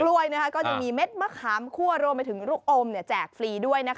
ก็จะมีเม็ดมะขามคั่วรวมไปถึงลูกอมแจกฟรีด้วย